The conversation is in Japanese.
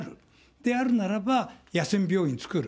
であるならば、野戦病院を作る。